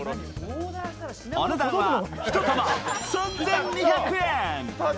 お値段は１玉３２００円。